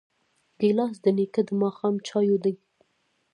ګیلاس د نیکه د ماښام چایو دی.